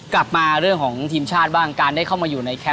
กลับมาเรื่องของทีมชาติบ้างการได้เข้ามาอยู่ในแคมป